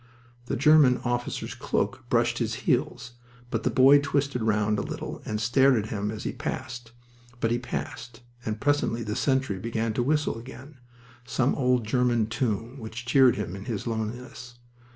The German officer's cloak brushed his heels, but the boy twisted round a little and stared at him as he passed. But he passed, and presently the sentry began to whistle again, some old German tune which cheered him in his loneliness.